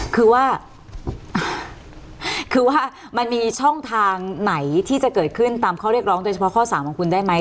คือว่าคือว่ามันมีช่องทางไหนที่จะเกิดขึ้นตามข้อเรียกร้องโดยเฉพาะข้อ๓ของคุณได้ไหม